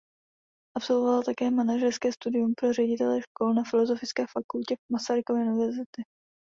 Absolvovala také manažerské studium pro ředitele škol na Filozofické fakultě Masarykovy univerzity.